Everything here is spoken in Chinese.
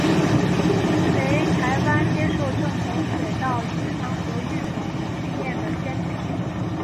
为台湾接受正统水稻遗传与育种训练的先驱之一。